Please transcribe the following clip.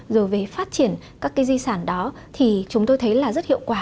rồi về phát triển các cái di sản đó thì chúng tôi thấy là rất hiệu quả